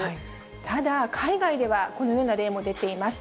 ただ、海外では、このような例も出ています。